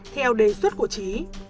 theo đề xuất của chí